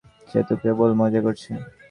সে তো কেবল মজা করছে।